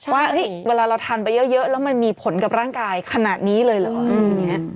ว่าเวลาเราทานไปเยอะแล้วมันมีผลกับร่างกายขนาดนี้เลยเหรออย่างนี้